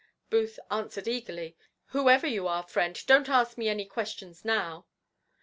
Booth answered eagerly, "Whoever you are, friend, don't ask me any questions now."